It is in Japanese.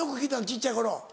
小っちゃい頃。